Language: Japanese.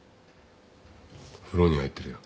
風呂に入ってるよ。